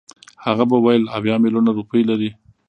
هغه به ویل اویا میلیونه روپۍ لري.